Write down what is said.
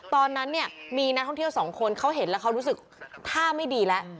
ตอนนั้นเนี่ยมีนักท่องเที่ยวสองคนเขาเห็นแล้วเขารู้สึกท่าไม่ดีแล้ว